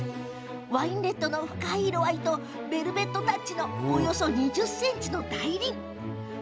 ワインレッドの深い色合いとベルベッドタッチの２０ｃｍの大輪です。